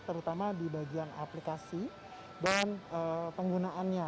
terutama di bagian aplikasi dan penggunaannya